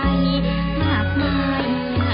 ทรงเป็นน้ำของเรา